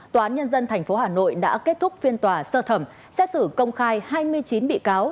tòa án nhân dân tp hà nội đã kết thúc phiên tòa sơ thẩm xét xử công khai hai mươi chín bị cáo